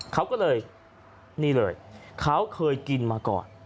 เขาก็เลยนี่เลยเขาเคยกินมาก่อน